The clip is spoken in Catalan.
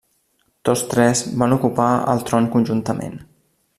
Tots tres van ocupar el tron conjuntament.